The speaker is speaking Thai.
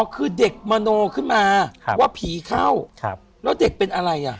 คือเด็กมโนขึ้นมาว่าผีเข้าแล้วเด็กเป็นอะไรอ่ะ